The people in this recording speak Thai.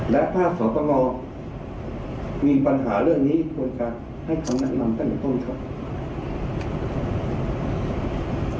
และถ้าสตงมีปัญหาเรื่องนี้ควรจะให้คำแนะนำตั้งแต่ต้นครับ